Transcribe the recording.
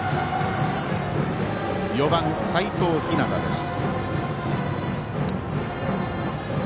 ４番、齋藤陽です。